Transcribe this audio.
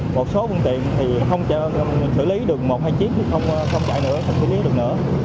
một số phương tiện thì không xử lý được một hai chiếc thì không chạy nữa không xử lý được nữa